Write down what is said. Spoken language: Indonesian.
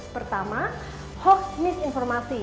pertama hoax misinformasi